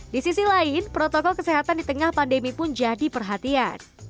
di sisi lain protokol kesehatan di tengah pandemi pun jadi perhatian